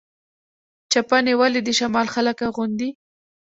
چپنې ولې د شمال خلک اغوندي؟